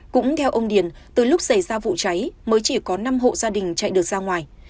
cũng theo ông điền từ lúc xảy ra vụ cháy mới chỉ có năm hộ gia đình chạy được ra ngoài